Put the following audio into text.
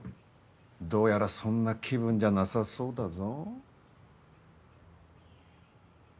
どうやらそんな気分じゃなさそうだぞ。